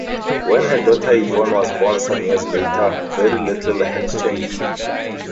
When her daughter Yvonne was born some years later very little had changed.